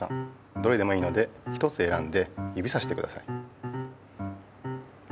どれでもいいので一つえらんでゆびさしてください。